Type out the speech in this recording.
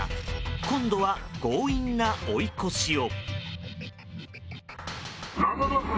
今度は強引な追い越しを。